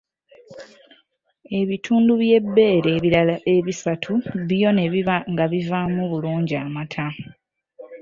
Ebitundu by’ebbeere ebirala ebisatu byo ne biba nga bivaamu bulungi amata.